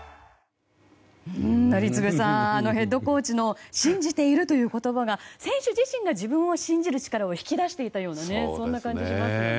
宜嗣さん、ヘッドコーチの信じているという言葉が選手自身が自分を信じる力を引き出していたようなそんな感じしますよね。